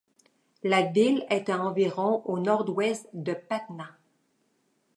La ville est à environ au nord-ouest de Patna.